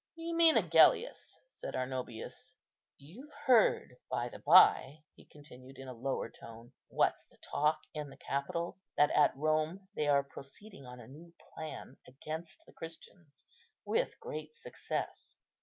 "You mean Agellius," said Arnobius. "You've heard, by the bye," he continued in a lower tone, "what's the talk in the Capitol, that at Rome they are proceeding on a new plan against the Christians with great success.